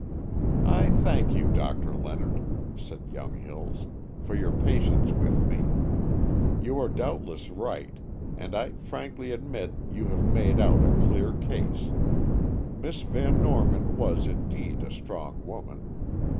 "I thank you, Doctor Leonard," said young Hills, "for your patience with me. You are doubtless right, and I frankly admit you have made out a clear case. Miss Van Norman was, indeed, a strong woman.